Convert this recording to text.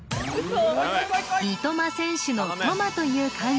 三苫選手の「苫」という漢字